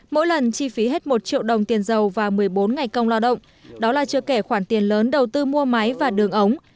mỗi lần chi phí hết một triệu đồng tiền giàu và một mươi bốn ngày công lao động đó là chưa kể khoản tiền lớn đầu tư mua máy và đường ống